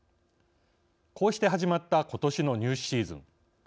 こうして始まったことしの入試シーズン。